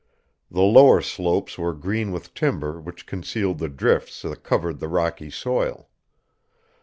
The lower slopes were green with timber which concealed the drifts that covered the rocky soil.